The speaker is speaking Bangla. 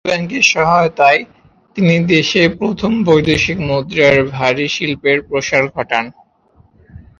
বিশ্ব ব্যাংকের সহযোগিতায় তিনিই দেশে প্রথম বৈদেশিক মুদ্রায় ভারী শিল্পের প্রসার ঘটান।